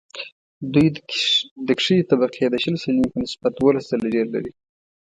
دوی د کښتې طبقې د شل سلنې په نسبت دوولس ځله ډېر لري